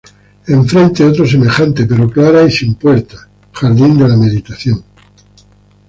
Enfrente, otra semejante, pero clara y sin puertas: ""Jardín de la Meditación"".